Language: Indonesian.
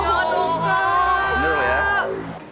jangan lupa ya